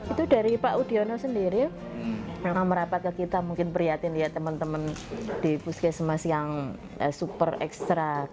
itu dari pak udiono sendiri memang merapat ke kita mungkin prihatin ya teman teman di puskesmas yang super ekstra